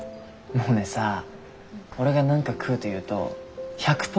モネさ俺が何か食うって言うと１００％